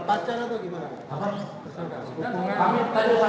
pertama yang kedua